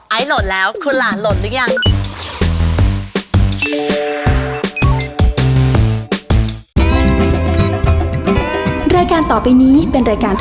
โหลดแล้วคุณหลานโหลดหรือยัง